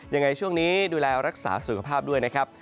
ยังไงช่วงนี้ดูแลรักษาสุขภาพด้วยนะครับ